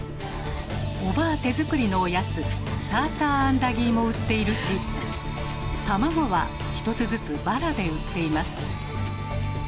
おばぁ手作りのおやつ「さーたーあんだぎー」も売っているし卵は１つずつバラで売っています。